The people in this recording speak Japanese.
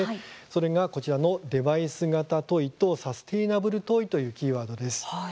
それが、こちらのデバイス型トイとサステイナブル・トイというキーワードです。